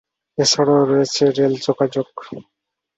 এছাড়া রয়েছে রেল যোগাযোগ।